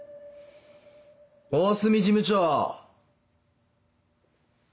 大隅事務長！